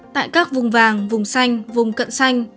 tại các vùng vàng vùng xanh vùng cận xanh